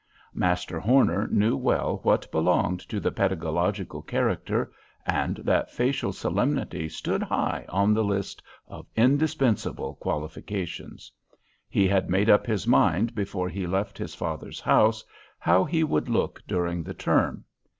Master Horner knew well what belonged to the pedagogical character, and that facial solemnity stood high on the list of indispensable qualifications. He had made up his mind before he left his father's house how he would look during the term.